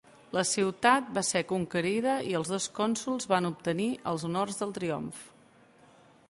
La ciutat va ser conquerida i els dos cònsols van obtenir els honors del triomf.